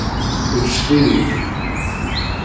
Ǧǧet-iyi!